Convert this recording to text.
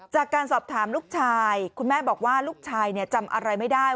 จากการสอบถามลูกชายคุณแม่บอกว่าลูกชายจำอะไรไม่ได้